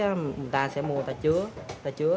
người ta sẽ mua người ta chứa